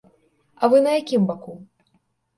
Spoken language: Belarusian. А вы на якім баку?